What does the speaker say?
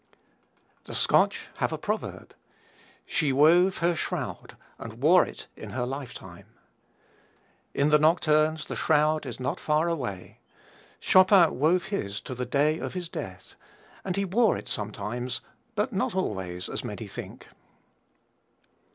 The Scotch have a proverb: "She wove her shroud, and wore it in her lifetime." In the nocturnes the shroud is not far away. Chopin wove his to the day of his death, and he wore it sometimes but not always, as many think.